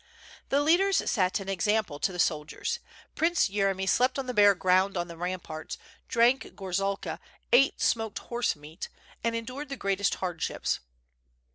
The leaders set an example to the soldiers. Prince Yere my slept on the bare ground on the ramparts> drank gor zalka, ate smoked horse meat, and endured the greatest hard ships.